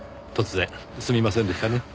突然すみませんでしたね。